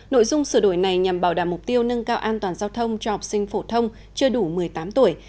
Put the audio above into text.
nội dung sửa đổi này nhằm bảo đảm mục tiêu nâng cao an toàn giao thông cho học sinh phổ thông chưa đủ một mươi tám tuổi